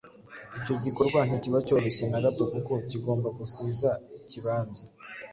Icyo gikorwa ntikiba cyoroshye na gato kuko kigomba gusiza ikibanza,